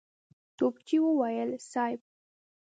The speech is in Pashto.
توپچي وويل: صېب!